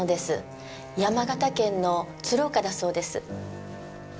山形県の鶴岡だそうです。